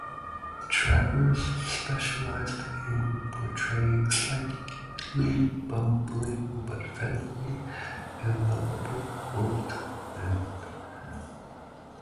Travers specialized in portraying slightly bumbling but friendly and lovable old men.